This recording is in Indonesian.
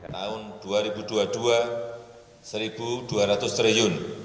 tahun dua ribu dua puluh dua rp satu dua ratus triliun